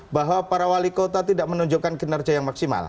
bahwa para wali kota tidak menunjukkan kinerja yang maksimal